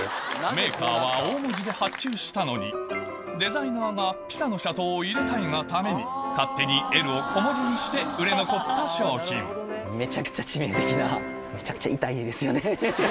メーカーは大文字で発注したのにデザイナーがピサの斜塔を入れたいがために勝手にＬを小文字にして売れ残った商品ですよね。